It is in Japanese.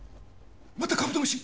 またカブトムシ？